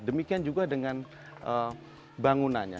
demikian juga dengan bangunannya